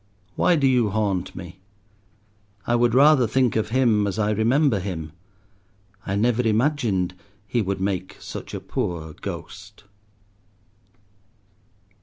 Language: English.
Why do you haunt me? I would rather think of him as I remember him. I never imagined he would make such a poor ghost.